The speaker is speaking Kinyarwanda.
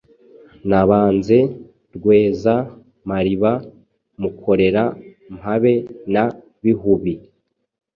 Nabanze Rweza-mariba, mukorera-mpabe na Bihubi